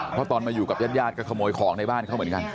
เพราะตอนมาอยู่กับญาติญาติก็ขโมยของในบ้านเขาเหมือนกัน